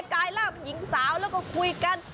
กลายเล่าด้วยกิ๊กเฉ๋ล้วก็คุยกัน